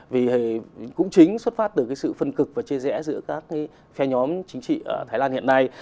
vì cũng chính xuất phát từ cái sự phân cực và chia rẽ giữa các cái phe nhóm chính trị ở thái lan hiện nay